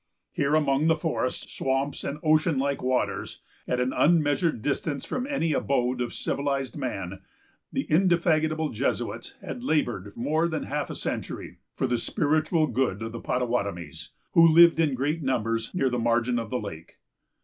Here, among the forests, swamps, and ocean like waters, at an unmeasured distance from any abode of civilized man, the indefatigable Jesuits had labored more than half a century for the spiritual good of the Pottawattamies, who lived in great numbers near the margin of the lake.